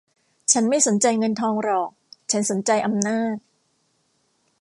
ฉันไม่สนใจเงินทองหรอก ฉันสนใจอำนาจ